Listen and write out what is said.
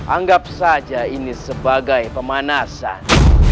anggap saja ini sebagai pemanasan